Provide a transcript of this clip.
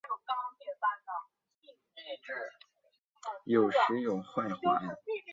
有时有蕈环。